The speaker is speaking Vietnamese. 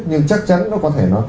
nhưng chắc chắn nó có thể